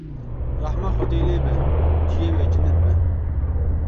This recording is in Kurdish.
Rehma Xwedê lê be, ciyê wê cinet be.